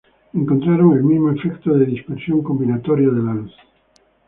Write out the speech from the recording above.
Encontraron el mismo efecto de dispersión combinatoria de la luz.